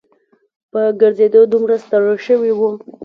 په ګرځېدو دومره ستړي شوي وو.